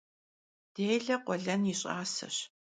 Dêle khuelen yi ş'aseş.